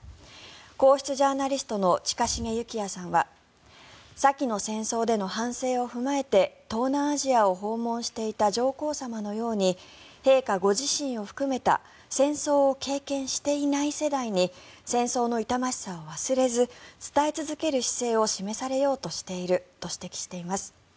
皇室ジャーナリストの近重幸哉さんは先の戦争での反省を踏まえて東南アジアを訪問していた上皇さまのように陛下ご自身を含めた戦争を経験していない世代に戦争の痛ましさを忘れず伝え続ける姿勢を示されようとしていると指摘しています。